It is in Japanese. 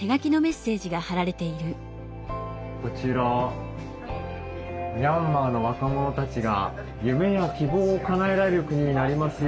こちら「ミャンマーの若者たちが夢や希望を叶えられる国になりますように」。